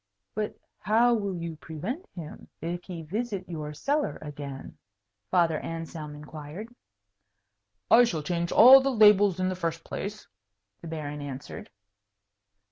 "But how will you prevent him, if he visit your cellar again?" Father Anselm inquired. "I shall change all the labels, in the first place," the Baron answered.